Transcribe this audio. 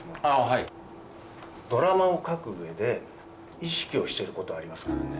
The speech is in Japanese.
はいドラマを書く上で意識をしてることはありますか？